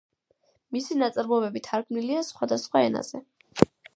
მისი ნაწარმოებები თარგმნილია სხვადასხვა ენაზე.